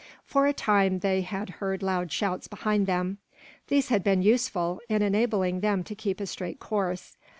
For a time they had heard loud shouts behind them. These had been useful, in enabling them to keep a straight course.